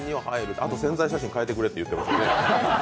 あと、宣材写真変えてくれと言ってますね。